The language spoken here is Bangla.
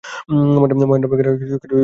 মহেন্দ্র ঝড়ের বেগে বাহির হইয়া চলিয়া গেল।